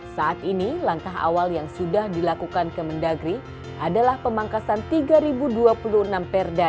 saat ini langkah awal yang sudah dilakukan kemendagri adalah pemangkasan tiga dua puluh enam perda